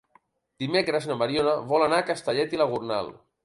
Dimecres na Mariona vol anar a Castellet i la Gornal.